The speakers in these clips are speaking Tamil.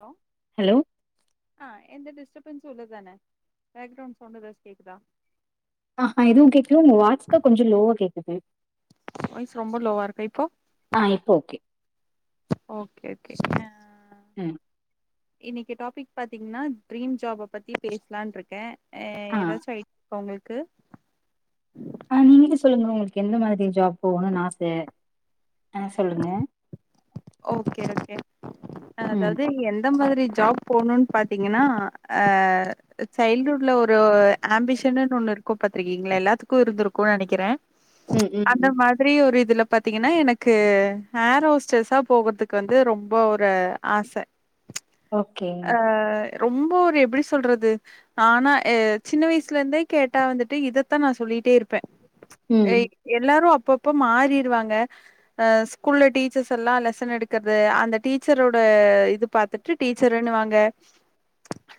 ஹலோ ஹலோ ஆ எந்த டிஸ்டர்ப்ன்ஸு இல்ல தான பேக்ரவுண்ட் சவுண்ட ஏதாது கேக்குதா ஆஹா எதுவு கேட்கல ஆனா உங்க வாய்ஸ் தா கொஞ்சோ லோவா கேக்குது வாய்ஸ் ரொம்ப லோவாருக்கா இப்போ ஆ இப்போ ஓகே ஓகே ஓகே அ அ ம் இன்னைக்கி டாபிக் பாத்தீங்ன்னா ட்ரீம் ஜாப்ப பத்தி பேசலான்ருக்க அ ஆ ஏதாச்சு ஐடியா [inaudible] உங்களுக்கு ஆ நீங்களே சொல்லுங்க உங்களுக்கு எந்த மாதிரி ஜாப் போகணுன் ஆச ஆ சொல்லுங்க ஓகே ஓகே ம் அதாவது எந்த எந்த மாதிரி ஜாப் போணுனீ பாத்தீங்கன்னா அ சைல்டுஹுட்ல ஒரு ஆம்பிஷனுன்னு ஒன்னு இருக்கு பாத்திருக்கீங்களா எல்லாத்துக்கு இருந்து இருக்குனு நெனைக்கிறே ம் அந்த ம் மாரி ஒரு இதுல பாத்தீங்கன்னா எனக்கு ஏரோஸ்டர்சா போகறதுக்கு வந்து ரொம்ப ஒரு ஆச ஓகே ஆ ரொம்ப ஒரு எப்டி சொல்றது ஆனா சின்ன வயசுல இருந்தே கேட்டா வந்துட்டு இதத்தா நான் சொல்லிட்டே இருப்பே ம் எல்லாரு அப்பப்ப மாறிருவாங்க அ ஸ்கூல்ல டீச்சர்ஸ் எல்லா லெ சன் எடுக்கறது அந்த டீச்சரோட இது பாத்துட்டு டீச்சர்ன்னுவாங்க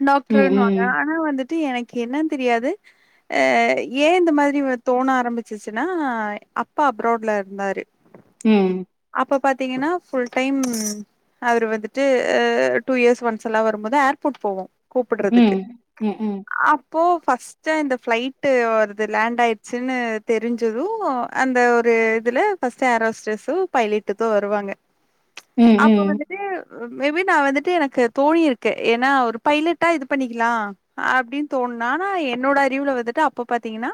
டாக்டர் ம் இன்னுவாங்க ம் ஆனா வந்துட்டு எனக்கு என்ன தெரியாது ஏ இந்த மாரி தோன ஆரம்பிச்சிச்சுன்னா அப்பா அப்ராட்ல இருந்தாரு ம் அப்போ பாத்தீங்கன்னா ஃபுல் டைம் அவரு வந்துட்டு டூ இயர்ஸ் ஒன்ஸ் எல்லா வரும்போது ஏர்போட் போவோ கூப்புட்றதுக்கு ம் ம் ம் அப்போ ஃபர்ஸ்ட் டு அந்த ஃபிளைட் அவருது லேண்ட் ஆயிடுச்சின்னு தெரிஞ்சது அந்த ஒரு இதுல ஃபர்ஸ்ட் ஏரோஸ்டர்ஸ்சு பைலட்டு தா வருவாங்க அப்ப ம் வந்து ட்டு மே பி நா வந்துட்டு எனக்கு தோணி இருக்கு ஏன்னா ஒரு பைலட்டா இது பண்ணிக்கலா அப்டின்னு தோணுனா ஆனா என்னோட அறிவுல வந்துட்டு அப்ப பாத்தீங்கன்னா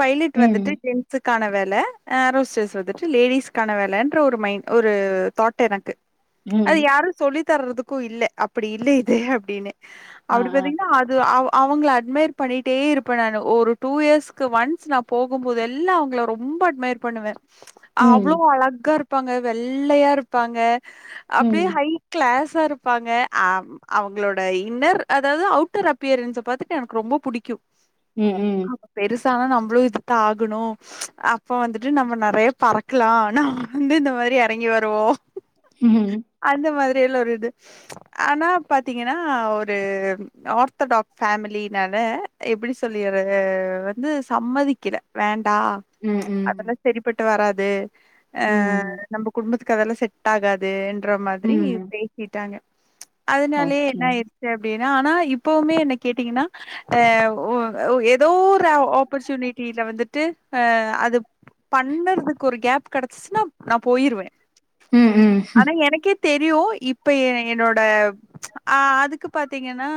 பைலட் ம் வந்துட்டு ம் ஜென்ஸுக்கான வேல அ ஏர் ஹோஸ்டஸ் வந்துட்டு லேடிஸ்கான வேலன்ற ஒரு மைண்ட் ஒ ரு தாட் எனக்கு ம் அது யாரு சொல்லி தர்றதுக்கு இல்ல அப்டி இல்ல இது அப்டின்னு ஆ அப்டி ஆ பாத்தீங்கன்னா அது அவோ அவங்கள அட்மயர் பண்ணிட்டே இருப்பே நானு ஒரு டூ இயர்ஸ்க்கு ஒன்ஸ் நா போகும்போதெல்லா அவங்கள ரொம்ப அட்மயர் பண்ணுவே ம் அவ்ளோ அழகா இருப்பாங்க வெள்ளயா இருப்பாங்க அப்டியே ம் ஹை கிளாஸா இருப்பாங்க ஆ அவங்களோட இன்னர் அதாவது அவுட்டர் அப்பியரன்ஸ பாத்துட்டு எனக்கு ரொம்ப புடிக்கு ம் ம் பெருசானா நம்மளு இதுதான ஆகனு அப்ப வந்துட்டு நம்ம நெறைய பறக்கலா நம்மா வந்து இந்த மாரி எறங்கி வருவோ ம் அந்த மாரி எல்லா ஒரு இது ஆனா பாத்தீங்கன்னா ஒரு ஆர்த்தடாக் ஃபேமிலி நால எப்டி சொல்லிற வந்து சம்மதிக்கல வேண்டா ம் ம் செரிப்பட்டு வராது ஆ ம் நம்ம குடும்பத்துக்கு அதெல்லா செட் செட்டாகாதுன்ற மாரி ம் பேசிட்டாங்க அதனாலயே ஓகே என்ன ஆயி சரி அப்டின்னா ஆனா இப்பவுமே என்ன கேட்டீங்கன்னா ஆ ஒ ஏதோ ஒரு ஆப்பர்ச்சுனிட்டில வந்துட்டு ஆ அது பண்ணறதுக்கு ஒரு கேப் கெடைச்சிச்சின்னா நா போயிருவே ம் ம் ஆனா எனக்கே தெரியு இப்ப எ என்னோட அ அதுக்கு பாத்தீங்கன்னா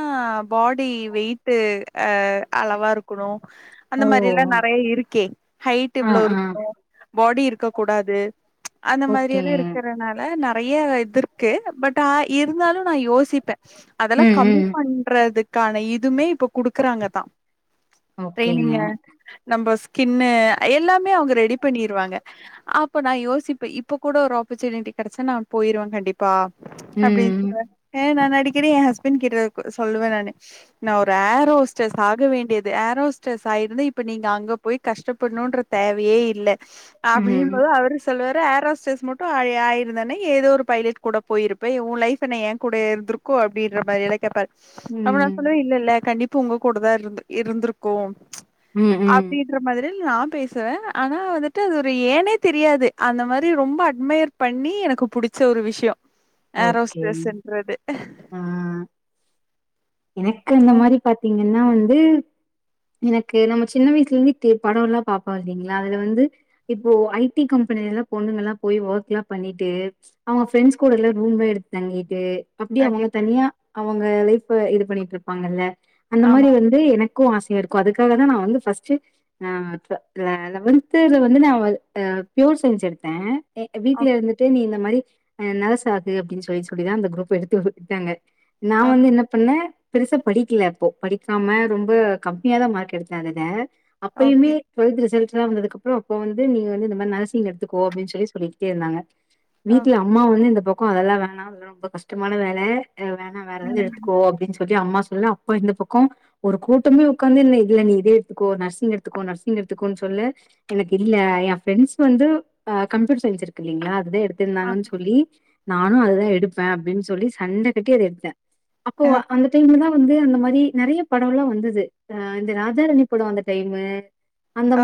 பாடி வெயிட்டு அ அளவா இருக்கணு அந்த ஓ மாரில்லா நெறைய இருக்கே ஹைட் ஆ இவ்ளோ ஆ இருக்கணு பாடி இருக்க கூடாது அந்த மாரி ஓகே எல்லா இருக்கறனால நெறைய இது இருக்கு பட் இருந்தாலு நா யோசிப்பே அதெல்லா ம் கம்மி ம் பண்றதுக்கான இதுமே இப்ப குடுக்குறாங்க தா ஓகேங்க ட்ரெய்னிங்க நம்ம ஸ்கின்னு எல்லாமே அவங்க ரெடி பண்ணிருவாங்க அப்ப நா யோசிப் பெ இப்ப கூட ஒரு ஆப்பர்ச்சுனிட்டி கிடைச்சன்னா நா போயிருவவே கண்டிப்பா அப்படின்னு ம். சொல்வ ஏ நா அடிக்கடி எ ஹஸ்பண்ட் கிட்ட சொல்லுவே நானு நா ஒரு ஏரோஸ்டர்ஸ் ஆக வேண்டியது ஏரோஸ்டர்ஸ் ஆயிருந்த இப்ப நீங்க அங்கப் போய் கஷ்டப்படணும்ன்ற தேவையே இல்ல அப்படிங்கு ம். போது அவரு சொல்லுவாரு ஏர் ஹோஸ்டஸ் மட்டூ ஆயி ஆயிருந்தேனே ஏதோ ஒரு பைலட் கூட போயிருப்ப உன் லைப் ஏ என் கூட இருந்திருக் கூ அப்படின்ற மாரில்லா கேப்பாரு அப்ப நா சொல்லுவே ம். இல்ல இல்ல கண்டிப்பா உங்க கூடதா இருந்து இருந்திருக்கும் ம். ம். அப்படின் என்ற மாதிரி நா பேசுவே ஆனா வந்துட்டு அது ஒரு ஏனே தெரியாது அந்த மாதிரி ரொம்ப அட்மயர் பண்ணி எனக்கு புடிச்ச ஒரு விஷயோ ஓகே. ஹேரோஸ்டஸ்ன்றது [inaudible] ஆ எனக்கு அந்த மாதிரி பாத்தீங்கன்னா வந்து எனக்கு நம்ம சின்ன வயசுல இருந்து படம்ல்லா பார்ப்போ இல்லிங்களா அதுல வந்து இப்போ ஐ டி கம்பெனிலல்லா பொண்ணுங்கல்லா போய் ஒர்க்ல்லா பண்ணிட்டு அவங்க ஃப்ரெண்ட்ஸ் கூடல்லா ரூம்லா எடுத் தங்கிட்டு அப்படி அவங்க கண்டிப்பா. தனியா அவங்க லைஃப்ஹ இது பண்ணிட்டு இருப்பாங்கல்ல அந்த மாதிரி ஆமா. வந்து எனக் க்கும் ஆசை இருக்கூ அதுக்காக தா நா வந்து ஃபர்ஸ்டோ ஆ டூவ லெவன்துல வந்து நா பியோர் சயின்ஸ் எடுத்தே எங் வீட்ல ஓகே, இருந்துட்டு நீ இந்த மாதிரி அ நரஸ் ஆகு அப்டின்னு சொல்லிட் சொல்லிதா அந்த குரூப் எடுத்து குட்த்தாங்க நா ஓகே, வந்து என்ன பண்ணே பெருசா படிக்கல அப்போ படிக்காம ரொம்ப கம் ஏதோ மார்க் எடுத்தாதெ அப்பயுமே ஓகே, டுவெல்த் ரிசல்ட்ஸ்ல்லா வந்ததுக்கு அப்புறோ அப்போ வந்து நீங்க வந்து இந்த மாிரி நர்சிங் எடுத்துக்கோ அப்டின்னு சொல்லி சொல்லிக்கிட்டே இருந்தாங்க வீட்டுல ஓகே. அம்மா ஒன்னு இந்த பக்கம் அதெல்லா வேணா ரொம்ப கஷ்டமான வேல வேணா வேற ஏதாவது எடுத்துக்கோ அப்டின்னு சொல்லி அம்மா சொல்ல அப்போ இந்த பக்கம் ஒரு கூட்டமே உக்காந்து நீ இல்ல நீ இதே எடுத்துக்கோ நர்சிங் எட்த்துக்கோ நர்சிங் எடுத்துக்கோன் சொல்ல எனக்கு இல்ல என் ஃப்ரெண்ட்ஸ் வந்து கம்ப்யூட்டர் அ சயின்ஸ் இருக்கு இல்லிங்களா அது ஆமா. இருந்தாங்கன்னு சொல்லி நானூ அதுதா எடுப்பே அப்படின் சொல்லி சண்ட கட்டி அத எடுத்தே அப்போ ஓக் அந்த டைம்ல தா வந்து அந்த மாதிரி நெறய படங்களூம் வந்தது ஆ இந்த ராஜாரணி படம் வந்த டைமு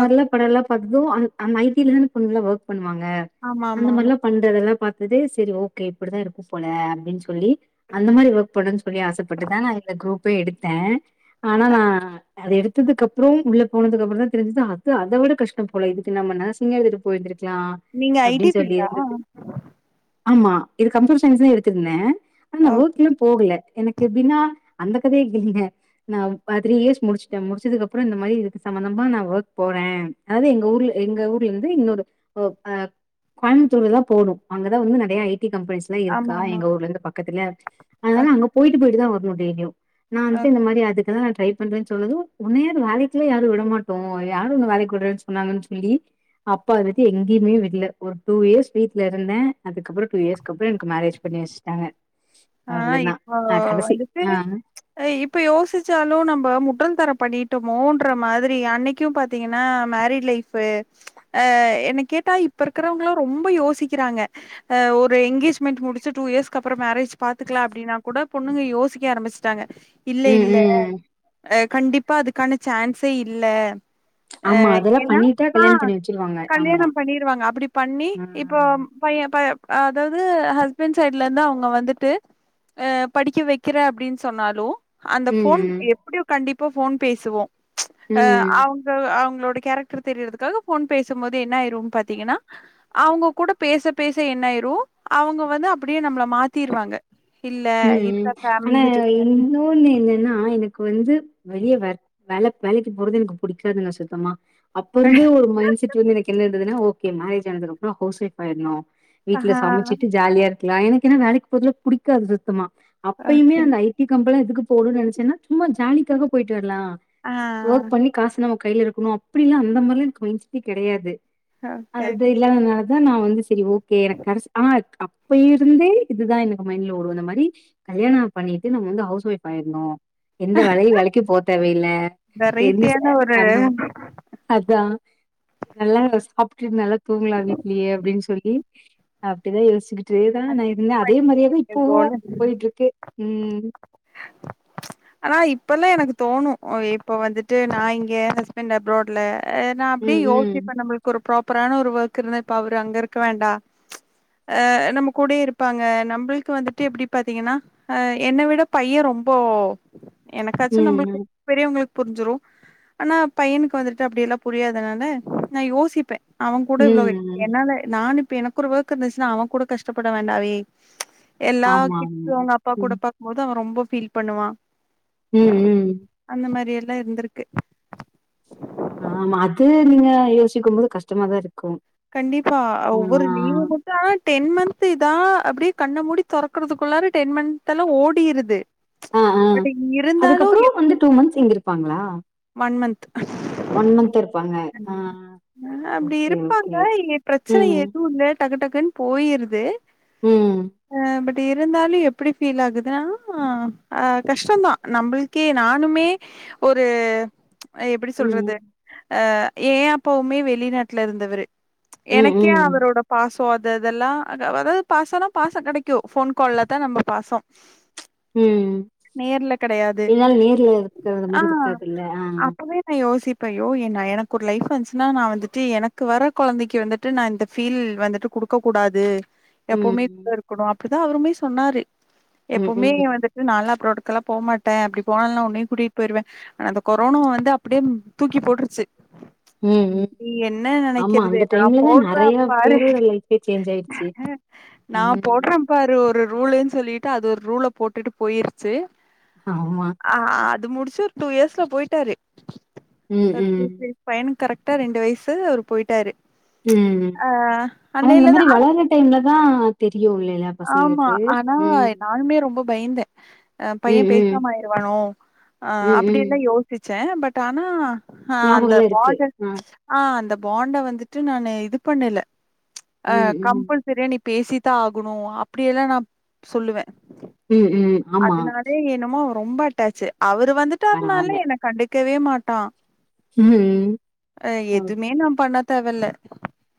ஓக் படம் எல்லா பார்த்ததூ அந் அந்த ஐ டில தான பொண்ணுலா ஒர்க் பண்ணுவாங்க ஆமாமாமா. அந்தமாரிலா பண்றதெல்லா பார்த்தது சரி ஓகே இப்படிதா இருக்கூ போல அப்படின் சொல்லி அந்த மாதிரி ஒர்க் பண்ணும்ன்னனு சொல்லி ஆசைப்பட்டுதா நா இந்த குரூப்பே எடுத்தே ஆனா அ நா அது எடுத்ததுக்கு அப்புறம் உள்ள போனதுக்கு அப்புறம் தா தெரிஞ்சது அது அத விட கஷ்டம் போல இதுக்கு நம்ம நரசிங்கே எடுத் போயிருந்திருக்கலா நீங்க ஐடி அப்படின் சொல்லி ஃபீல்டா? இருந்தது ஆமா இது கம்ப்யூட்டர் சயின்ஸ் தா எடுத்திருந்தே ஆனா நா ஓகே. ஒர்க்லா போகல எனக்கு எப்டின்னா அந்த கதயே கேளுங்க நா பா த்ரீ இயர்ஸ் முடிச்சுட்டே முடிச்சதுக்கு அப்புறோ இந்த மாதிரி இது சம்பந்தமா நா ஒர்க் போறே அதாவது எங்க ஊர்ல எங்க ஊர்ல இருந்து இன்னொரு ஓ அ கோயம்பத்தூர்ல தா போவ்னூ அங்கதா வந்து நெறயா ஐ டி கம்பெனிஸ் ன்ன இருக்கா ஆமாமா. எங்க ஊர்ல இருந்து பக்கத்துல அதனால ஓக் அங்க போய்ட்டு போய்ட்டு தா வர்னனூ டெய்லியூ நா‌ வந்துட்டு ஓக். இந்த மாரி அதுக்குதா நா ட்ரை பண்றோ சொன்னதும் உன்ன யாரு வேலைக்குலா யாரு விடமாட்டோ யாரு ஒன்ன வேலக்கி விடறன்னு சொன்னாங்கன்னு சொல்லி அப்பா அதுவரிக்கூ எங்கியுமே விட்ல ஒரு டூ இயர்ஸ் வீட்ல இருந்தே அதுக்கப்பறே டூ இயர்ஸ் அப்றோ எனக்கு மேரேஜ் பண்ணிவச்ட்டாங்க ஆ இப்ப வந்துட்டு ஆ இப்ப யோசிச்சாலூ நம்ம முட்டால்தனே பண்ணிட்டோமோன்ற மாதிரி அன்னிக் க்கு பாத்தீங்கன்னா மேரிட் லைஃப்ஹு அ என்ன கேட்டா இப்ப இருக்கறவங்காளா ரொம்ப யோசிக்கிறாங்க அ ஒரு எங்கேஜ்மண்ட் முடிச்சு டூ இயர்ஸ்க்கப்றோ மேரேஜ் பாத்துக்கலா அப்டின்னா கூட பொண்ணுங்க யோசிக்க ஆரமிச்ட்டாங்க இல்ல ம் இல்ல ம் அ கண்டிப்பா அதுக்கான சான்சே இல்ல அ ஆமா அதெல்லாம் ஏனா பண்ணிட்டா ஆ கல்யாணம் பண்ணி வச்சிருவாங்க கல்யாணோ ஆமா பண்ணிருவாங்க அப்டி பண்ணி ஆ இப்போ பைய ப அதாவ்து ஹஸ்பண்ட் சைடுல இருந்து அவுங்க வந்துட் டு அ படிக்க வைக்குற அப்டின்னு சொன்னாலு அந்த ஃபோன் ம் எப் ப்டியு கண்டிப்பா ஃபோன் பேசுவோ அ ம் அவுங்க அவுங்களோட கேரக் ட்ரு தெரியறதுக்காக ஃபோன் பேசும்போது என்ன ஆயிரு பாத்தீங்கன்னா அவுங்க கூட பேச பேச என்னாயிரு அவுங்க வந்து அப்டியே நம்மள மாத்திருவாங்க இல்ல ம் ம் இதுதா ஃபேமிலி ஆனா சிச்சுவேஷன் இன்னொன்னு என்னன்னா எனக்கு வந்து வெளிய வ வேல வேலைக்கு போறது எனக்கு புடிக்காதுங்க சுத்தமா அப்பருந்தே ஒரு மைண்ட் செட் வந்து எனக்கு என்ன இருந்துதுன்னா ஓகே மேரேஜ் ஆனதுக்கப்பறோ ஹவுஸ் ஒய்ஃப் ஆயிரணு ஆ வீட்ல சமச்சிட்டு ஜாலியா இருக்கலா எனக்கு ஏனா வேலைக்கு போறதுலா புடிக்காது சுத்தமா அப்பயுமே ஓகே அந்த ஐ டி கம்பனியெல்லா எதுக்கு போனு னு நெனைச்சேன்னா சும்மா ஜாலிக்காக போயிட்டு வர்லா ஆ ஒர்க் பண்ணி காசு நம்ம கைல இருக்கணு அப்டில்லா அந்த மாரில்லா எனக் மைன்செட்டே கெடையாது ஓகே அது ஓகே இல்லாத தா நா வந்து செரி ஓகே எனக்கு கரஸ் ஆ அப்ப இருந்தே இதுதா எனக்கு மைண்டுல ஓடு இந்த மாரி து கல்யாணம் பண்ணிட்டு நம்ம வந்து ஹவுஸ் ஒய்ஃப் ஆயிறனு எந்த வேலய வேலைக்கி போ தேவே இல்ல என்ன சொ வெரைட்டியான ஒரு அந்தோ அதா நல்லா சாப்ட்டு நல்லா தூங்கலா வீட்லியே அப்டின்னு சொல்லி அப்டிதா யோசிச்கிட்டேதா நா இருந்த அதே மாரியேதா இப்பவு போயிட்டுருக்கு ம் ஆனா இப்பல்லா எனக்கு தோணு அ இப்ப வந்துட்டு நா இங்க ஹஸ்பண்ட் அப்ராடுல அ நா அப்டியே ம் ம் யோசிப்ப நம்முளுக்கு ஒரு பிராப்பரான ஒரு ஒர்க் இருந்தா இப்ப அவுரு அங்க இருக்க வேண்டா அ நம்ம கூடயே இருப்பாங்க நம்முளுக்கு வந்துட்டு எப்டி பாத்தீங்கன்னா அ என்ன விட பைய ரொம்போ எனக்காச்சும் நம்முளுக்கு ம் பெரியவங்குளுக்கு புரிஞ்சிரு ஆனா பையனுக்கு வந்துட்டு அப்படியெல்லா புரியாதனால நா யோசிப்ப அவங்கூட இவ்ளோவே ம் ம் என்னால நான் இப்ப எனக்கு ஒரு ஒர்க் இருந்துச்சுன்னா அவ கூட கஷ்டப்பட வேண்டாவே எல்லா ஆமா கிட்ஸ்சு ஆமா அவுங்க அப்பா கூட ம் பாக்கும்போது அவ ரொம்ப ஃபீல் பண்ணுவா ம் ம் ம் அந்த மாரி எல்லா இருந்திருக்கு ஆமா அது நீங்க யோசிக்கம் போது கஷ்டமாதா இருக்கு கண்டிப்பா ஒவ்வொரு ஆ லீவுக்கு இது ஆனா டென் மந்த்துதா அப்டியே கண்ண மூடி தொறக்குறதுக்குல்லாற டென் மந்துல்லா ஓடிருது அ ஆ பட் இருந்தாலும் அதுக்கப்பறோ எப் வந்து டூ மந்த்ஸ் இங்க இருப்பாங்களா மந்த் ஒன் மந்த் இருப்பாங்க ஆ அ அப்டி ஓகே, இருப்பாங்க ஓகே. இங்க பிரச்சன ம், எதுவும் இல்ல டக்கு டக்குன்னு போயிருது ம் அ பட் இருந்தாலு எப்டி ஃபீல் ஆகுதுன்னா அ கஷ்டோந்தா நம்முளுக்கே நானுமே ஒரு எப்டி ம், சொல்றது அ ஏ அப்பாவுமே வெளிநாட்டுல இருந்தவரு ம், எனக்கே ம், அவரோட பாசோ அது இதெல்லா அதாவது பாசனா பாசொ கெடைக்கும் ஃபோன் கால்ல தா நம்ம பாசம் ம். நேர்ல கெடையாது ஆ இல்ல ஆ அப்பவே நா யோசிப்பே அயோ என்ன எனக்கு ஒரு லைஃப் வந்துச்ன்னா நா வந்துட்டு எனக்கு வர கொழந்தைக்கு வந்துட் ட்டு நா இந்த ஃபீல் வந்துட்டு குடுக்க கூடாது எப்பவுமேக் கூட ம், இருக்குணு அப்டிதா அவுருமே சொன்னாரு ம், எப்பவுமே ம், வந்துட் டு நால்லா அப்ராடுக்கல்லாப் போமாட்டே அப்டி போனாலு நா உன்னையு கூட்டிட் போய்ருவே அன் அந்தக் கொரோனா வந்து அப்டியேம் தூக்கி போட்ருச்சு ம், ம். நீ என்ன ஆமா, நெனைக்கிறது அந்த நாப் டைம்ல தான் போட்றேம் நெறைய பாரு பேரோட லைஃபே சேஞ்ச் ஆயிடுச்சு. நாம் ம். போட்றேம் பாரு ஒரு ரூலுன் சொல்லிட்டு அது ஒரு ரூலப் போட்டுட்டுப் போயிருச்சு ஆமா. ஆ அது முடிச்சு ஒரு டூ இயர்ஸ்லப் போயிட்டாரு ம், ஒரு டூ ம், த்ரீ பையனுக் கரெக்ட்டா ரெண்டு வயசு அவரு போயிட்டாரு ம் ம் ஆ ஆனா இந்த அன்னையிலதா மாரி வளையாட்ற டைம்லதா தெரியு இலேலப் ஆமா ஆனாய் நானுமே ரொம்ப பயந்தே அ பையே ம், ம், பேசாமாயிருவானோ அ ம், அப்பிடி ம். எல்லா யோசிச்சே பட் ஆனா ஆ அந்த ஞாபகம்லாம் இருக்கு. [unintelligible] ஆ அந்த பாண்ட வந்துட்டு நானு இதுப் பண்ணல அ ம், ம். கம்பல் செரியா நீப் பேசித்தா ஆகுணு அப்டியெல்லா நாப் சொல்லுவே ம் ம் ஆமா. அதுனாலே என்னமோ ரொம்ப அட்டாச்சு அவரு வந்துட்டாருனாலே பரவால்ல. என்னக் கண்டுக்கவே மாட்டா ம். அ ஓ. எதுமே நாம் பண்ண தேவல்ல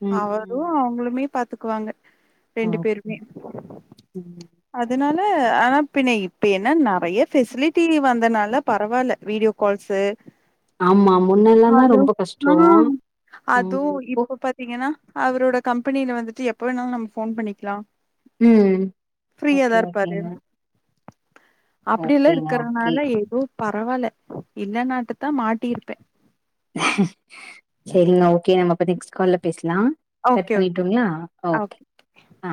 ம், அவர் துவு ம். அவுங்ளுமே பாத்துக்குவாங்க ரெண்டுப் ஓகே. பேருமே ம். அதுனால ஆனாப் பின்ன இப்ப என்னன் நெறைய ஃபெசிலிட்டி வந்தனாலப் பரவால்ல வீடியோ கால்ஸு ஆமா. முன்னெல்லாம் தான் அதோ ரொம்ப ஆ கஷ்டம். ம். அதுவு இப்போ இப்ப பாத் தீங்கினா அவரோட கம்பெனில வந்துட்டு எப்ப வேணாலு நம்ப ஃபோன் பண்ணிக்லா ம் ஓகே ஓகேங்க அப்டியெல்லா ஓகேங்க, ஓகே. இருக்கறனால எதோப் பரவால்ல இல்லனாட்டுத்தா மாட்டியிருப்பே செரிங்க ஓகே நம்ம அப்ப நெக்ஸ்ட் கால்ல பேச்லா கட் ஓகே ஓகே பண்ணிட்டுங்ளா ஓகே ஆ.